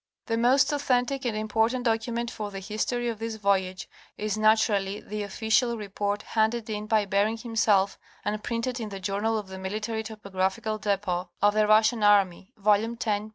The most authentic and important document for the history of this voyage is naturally the official report handed in by Bering himself and printed in the Journal of the Military Topographical Depot of the Russian Army, volume x, pp.